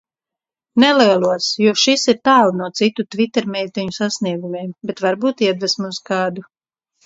Nelielos, jo šis ir tālu no citu tvitermeiteņu sasniegumiem, bet varbūt iedvesmos kādu.